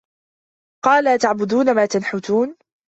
قال أتعبدون ما تنحتون